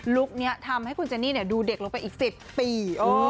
คนี้ทำให้คุณเจนี่ดูเด็กลงไปอีก๑๐ปี